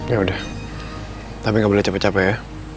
ya udah tapi nggak boleh capek capek ya